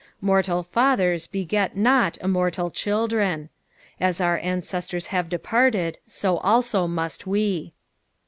Mortal fathers beget not immortal children. As our ancestors have departed, so also must we.